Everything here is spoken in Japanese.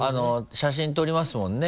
写真撮りますもんね。